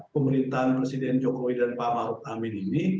pemerintahan presiden jokowi dan pak maruf amin ini